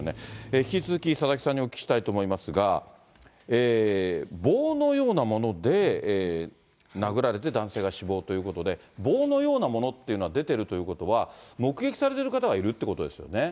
引き続き、佐々木さんにお聞きしたいと思いますが、棒のようなもので殴られて、男性が死亡ということで、棒のようなものっていうのは出てるということは、目撃されている方がいるってことですよね？